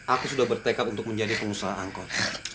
aku sudah bertekad untuk menjadi pengusaha angkot